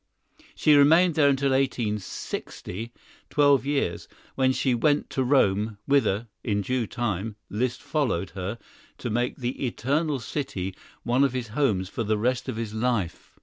She remained there until 1860, twelve years, when she went to Rome, whither, in due time, Liszt followed her, to make the Eternal City one of his homes for the rest of his life.